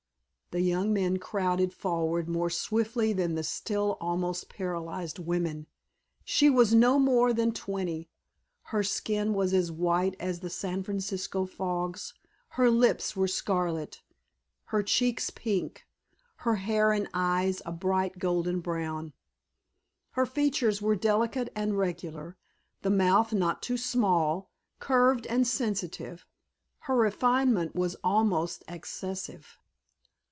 The young men crowded forward more swiftly than the still almost paralyzed women. She was no more than twenty. Her skin was as white as the San Francisco fogs, her lips were scarlet, her cheeks pink, her hair and eyes a bright golden brown. Her features were delicate and regular, the mouth not too small, curved and sensitive; her refinement was almost excessive.